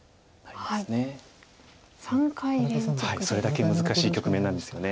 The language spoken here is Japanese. それだけ難しい局面です。